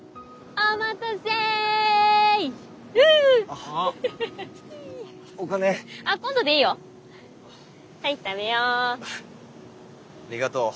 ありがとう。